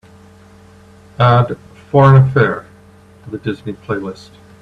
Add Foreign Affair to the disney playlist.